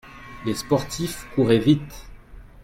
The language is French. les sportifs courraient vite.